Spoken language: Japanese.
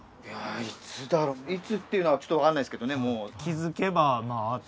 いつだろいつっていうのはちょっと分かんないっすけどね気づけばあった？